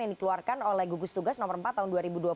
yang dikeluarkan oleh gugus tugas nomor empat tahun dua ribu dua puluh